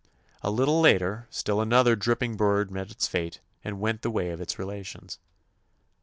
A little later still another dripping bird met its fate and went the way of its relations.